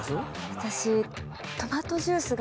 私。